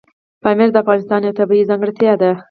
پامیر د افغانستان یوه طبیعي ځانګړتیا ده.